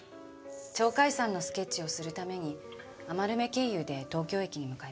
鳥海山のスケッチをするために余目経由で東京駅に向かいました。